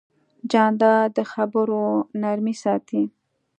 جانداد د خبرو نرمي ساتي.